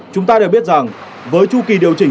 chúng ta đều biết rằng với chu kỳ điều chỉnh